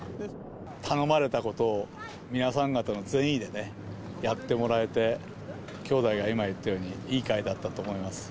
頼まれたことを、皆さん方の全員でやってもらえて、兄弟が今言ったように、いい会だったと思います。